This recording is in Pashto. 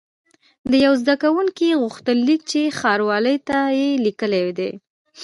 د یوه زده کوونکي غوښتنلیک چې ښاروالۍ ته یې لیکلی دی.